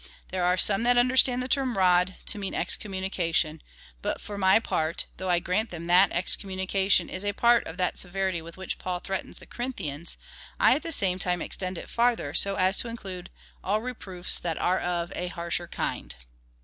There are some that understand the term rod to mean excommunication — but, for my part, though I grant them that excommunication is a part of that severity with which Paul threatens the Corin thians, I at the same time extend it farther, so as to include all reproofs that are of a harsher kind.